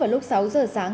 vào lúc sáu h sáng